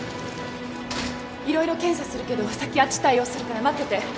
いろいろ検査するけど先あっち対応するから待ってて。